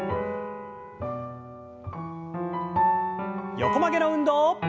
横曲げの運動。